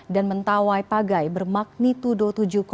dan mentawai pagai bermagnitudo tujuh delapan